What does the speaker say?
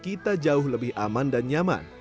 kita jauh lebih aman dan nyaman